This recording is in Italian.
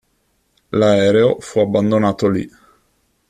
L'aereo fu abbandonato lì.